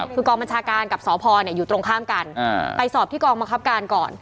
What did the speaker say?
คือกองบัญชาการกับสพอยู่ตรงข้ามกันไปสอบที่กองบังคับการก่อน